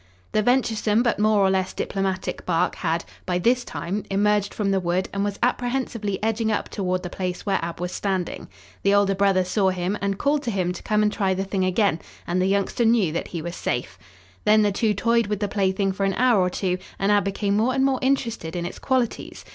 The venturesome but more or less diplomatic Bark had, by this time, emerged from the wood and was apprehensively edging up toward the place where Ab was standing. The older brother saw him and called to him to come and try the thing again and the youngster knew that he was safe. Then the two toyed with the plaything for an hour or two and Ab became more and more interested in its qualities.